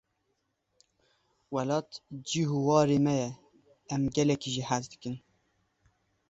Welat cih û ware me ye, em gelekî jê hez dikin.